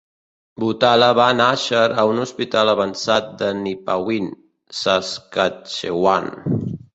Butala va nàixer a un hospital avançat de Nipawin, Saskatchewan.